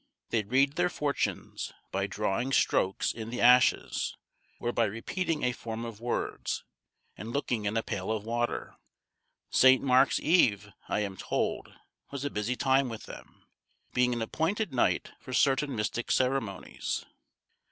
They read their fortunes by drawing strokes in the ashes, or by repeating a form of words, and looking in a pail of water. St. Mark's Eve, I am told, was a busy time with them; being an appointed night for certain mystic ceremonies.